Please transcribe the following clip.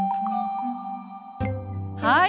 はい。